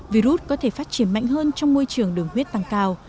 virus có thể phát triển mạnh hơn trong môi trường đường huyết tăng cao